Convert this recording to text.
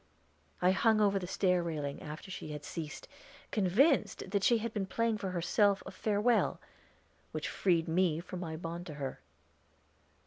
I hung over the stair railing after she had ceased, convinced that she had been playing for herself a farewell, which freed me from my bond to her.